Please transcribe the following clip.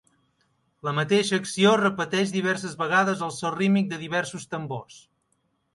La mateixa acció es repeteix diverses vegades al so rítmic de diversos tambors.